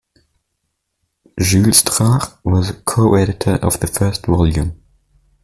Jules Drach was co-editor of the first volume.